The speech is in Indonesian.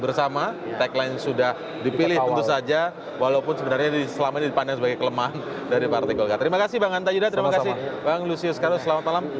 terima kasih bang anta yudha terima kasih bang lucio skarro selamat malam